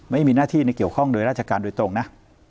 ไม่มีหน้าที่ในเกี่ยวข้องโดยราชการโดยตรงนะ